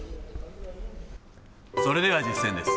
それでは実践です。